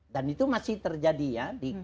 dan itu masih terjadi ya